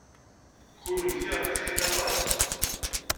Kennemti rqiqit aṭas.